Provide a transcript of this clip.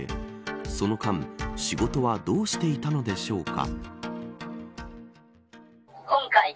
その間、仕事はどうしていたのでしょうか。